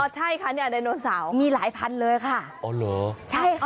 ใช่ค่ะเนี่ยไดโนเสาร์มีหลายพันเลยค่ะอ๋อเหรอใช่ค่ะ